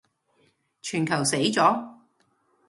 全球死咗